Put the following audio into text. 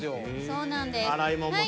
そうなんですはい。